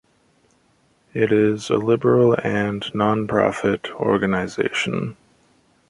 It is a liberal and non-profit organization.